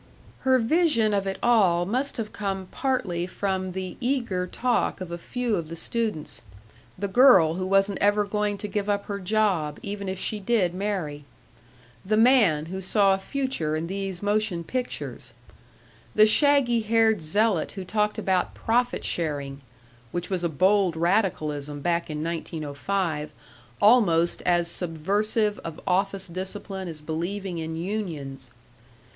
Her vision of it all must have come partly from the eager talk of a few of the students the girl who wasn't ever going to give up her job, even if she did marry; the man who saw a future in these motion pictures; the shaggy haired zealot who talked about profit sharing (which was a bold radicalism back in 1905; almost as subversive of office discipline as believing in unions).